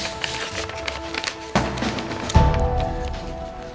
terima kasih ya